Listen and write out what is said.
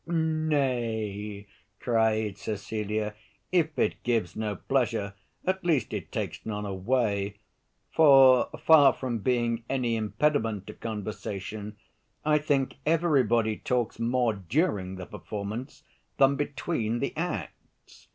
"Nay," cried Cecilia, "if it gives no pleasure, at least it takes none away; for, far from being any impediment to conversation, I think everybody talks more during the performance than between the acts.